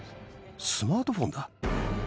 スマートフォンだ。